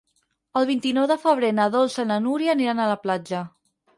El vint-i-nou de febrer na Dolça i na Núria aniran a la platja.